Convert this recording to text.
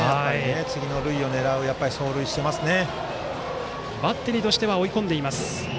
次の塁を狙う走塁をしていますね。